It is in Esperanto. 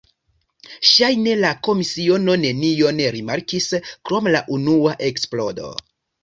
Ŝajne la komisiono nenion rimarkis, krom la unua eksplodo.